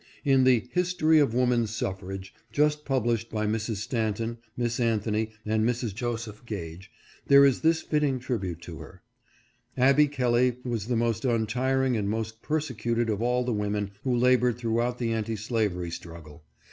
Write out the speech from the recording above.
In the " History of Woman Suffrage," just published by Mrs. Stanton, Miss Anthony, and Mrs. Joseph Gage, there is this fitting trib ute to her :" Abby Kelley was the most untiring and most persecuted of all the women who labored through out the anti slavery struggle.